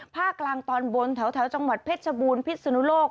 ภาคกลางตอนบนแถวจังหวัดเพชรบูรณพิศนุโลก